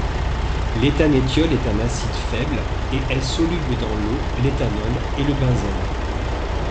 L'éthanethiol est un acide faible et est soluble dans l'eau, l'éthanol et le benzène.